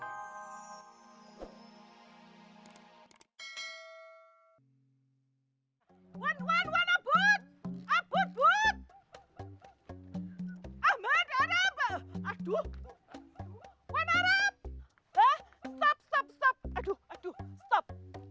one one one abut abut abut ahmad ada apa aduh